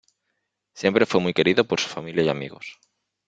Siempre fue muy querido por su familia y amigos.